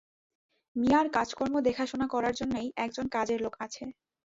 মিয়ার কাজকর্ম দেখাশোনা করার জন্যেই একজন কাজের লোক আছে।